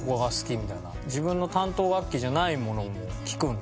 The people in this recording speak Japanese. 自分の担当楽器じゃないものも聴くんだ。